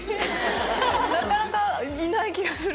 なかなかいない気がする。